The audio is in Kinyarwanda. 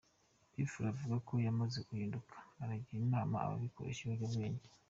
P Fla uvuga ko yamaze guhinduka aragira inama abagikoresha ibiyobyabwenge.